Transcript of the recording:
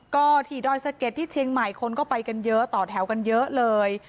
ก็ที่ดอยสะเก็ดที่เชียงใหม่คนก็ไปกันเยอะต่อแถวกันเยอะเลย